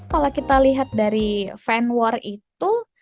kalau kita lihat dari fan war itu